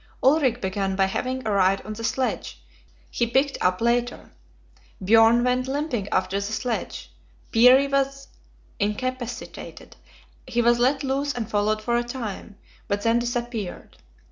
Ulrik began by having a ride on the sledge; he picked up later. Björn went limping after the sledge. Peary was incapacitated; he was let loose and followed for a time, but then disappeared.